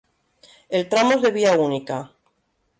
El tramo es de vía única.